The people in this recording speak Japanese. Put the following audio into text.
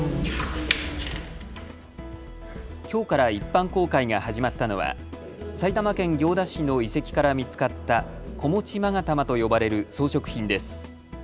きょうから一般公開が始まったのは埼玉県行田市の遺跡から見つかった子持勾玉と呼ばれる装飾品です。